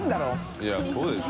いやそうでしょ。